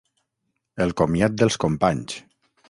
El comiat dels companys.